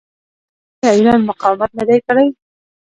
آیا ایران مقاومت نه دی کړی؟